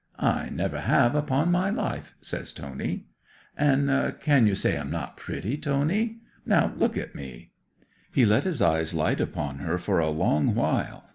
'"I never have, upon my life," says Tony. '"And—can you say I'm not pretty, Tony? Now look at me!" 'He let his eyes light upon her for a long while.